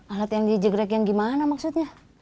alat yang dijegrek yang gimana maksudnya